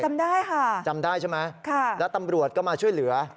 จำได้ค่ะจำได้ใช่ไหมแล้วตำรวจก็มาช่วยเหลือ